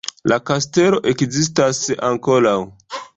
La kastelo ekzistas ankoraŭ.